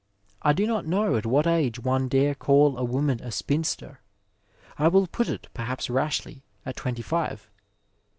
I do not know at what age one dare call a woman a spinster. I will put it, perhaps rashly, at twenty five.